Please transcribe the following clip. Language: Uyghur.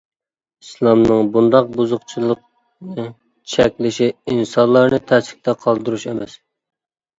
ئىسلامنىڭ بۇنداق بۇزۇقچىلىقنى چەكلىشى ئىنسانلارنى تەسلىكتە قالدۇرۇش ئەمەس.